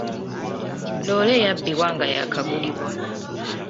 Loole yabbibwa nga yaakagulibwa.